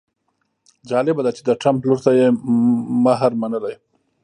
جالبه ده چې د ټرمپ لور ته یې مهر منلی.